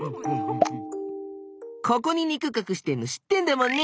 ここに肉隠してんの知ってんだもんね。